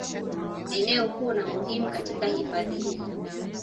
Eneo kuu na muhimu katika hifadhi hii